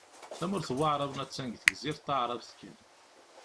Tamurt n Waεraben attan deg Tegzirt Taεrabt kan.